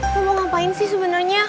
lo mau ngapain sih sebenernya